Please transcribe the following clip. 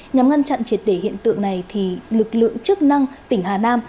nhằm ngăn chặn triệt để hiện tượng này thì lực lượng chức năng tỉnh hà nam